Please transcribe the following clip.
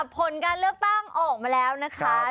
ผลการเลือกตั้งออกมาแล้วนะคะ